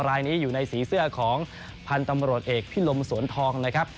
รายนี้อยู่ในสีเสื้อของพันธุ์ตำรวจเอกพิลมสวนทองนะครับ